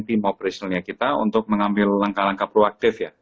tim operationalnya kita untuk mengambil langkah langkah proaktif ya